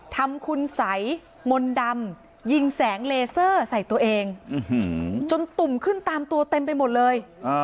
ทำคุณสัยมนต์ดำยิงแสงเลเซอร์ใส่ตัวเองจนตุ่มขึ้นตามตัวเต็มไปหมดเลย